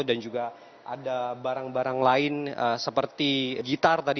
dan juga ada barang barang lain seperti gitar tadi